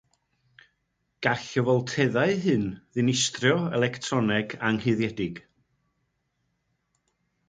Gall y folteddau hyn ddinistrio electroneg anghuddiedig.